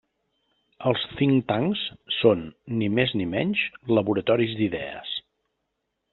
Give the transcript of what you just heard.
Els think tanks són, ni més ni menys, laboratoris d'idees.